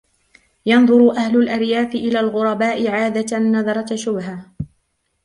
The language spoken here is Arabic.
ينظر أهل الأرياف إلى الغرباء عادةً نظرة شبهة.